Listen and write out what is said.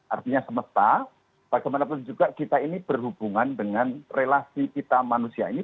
artinya semesta bagaimanapun juga kita ini berhubungan dengan relasi kita manusia ini